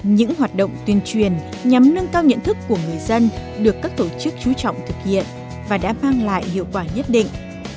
những hoạt động tuyên truyền nhằm nâng cao nhận thức của người dân được các tổ chức chú trọng thực hiện và đã mang lại hiệu quả nhất định